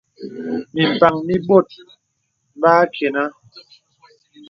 Mì mpàŋ mì bɔ̀t bə akənâ.